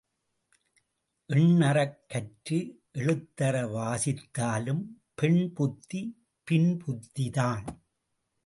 எண் அறக் கற்று எழுத்து அற வாசித்தாலும் பெண்புத்தி பின் புத்திதான்.